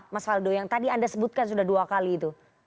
mas waldo yang tadi anda sebutkan sudah dua kali itu